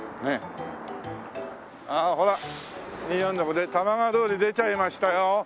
ああほら２４６で玉川通り出ちゃいましたよ。